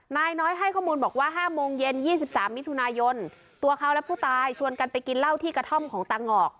นายน้อยให้ข้อมูลบอกว่า๕โมงเย็น๒๓มิถุนายนตัวเขาและผู้ตายชวนกันไปกินเหล้าที่กระท่อมของตางอก